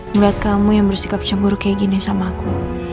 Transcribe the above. mulai kamu yang bersikap cemburu kayak gini sama aku